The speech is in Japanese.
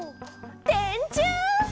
「でんちゅう！」